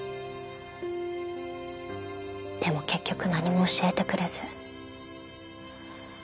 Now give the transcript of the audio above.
でも結局何も教えてくれず。